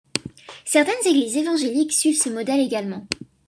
Certaines Églises évangéliques suivent ce modèle également.